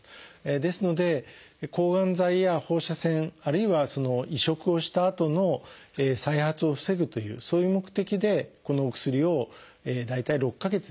ですので抗がん剤や放射線あるいは移植をしたあとの再発を防ぐというそういう目的でこのお薬を大体６か月ですね